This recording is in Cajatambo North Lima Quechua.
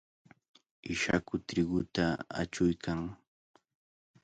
Ishaku triquta achuykan.